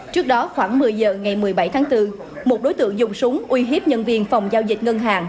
trước đó khoảng một mươi giờ ngày một mươi bảy tháng bốn một đối tượng dùng súng uy hiếp nhân viên phòng giao dịch ngân hàng